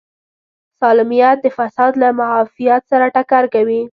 سالمیت د فساد له معافیت سره ټکر کوي.